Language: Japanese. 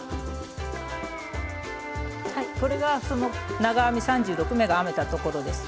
これがその長編み３６目が編めたところです。